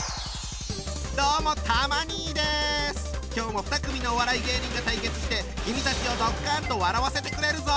今日も２組のお笑い芸人が対決して君たちをドッカンと笑わせてくれるぞ。